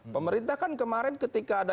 pemerintah kan kemarin ketika ada